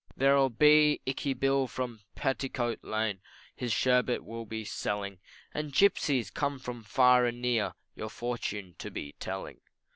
There'll be Ikey Bill from Petticoat Lane His sherbet will be selling, And gipsies come from far and near Your fortune to be telling.